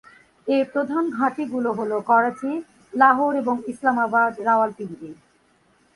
এর প্রধান ঘাঁটি গুলো হলো করাচী, লাহোর এবং ইসলামাবাদ/রাওয়ালপিন্ডি।